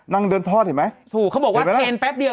นางหนุ่มมองข้างหลังอีกแล้วเนี่ย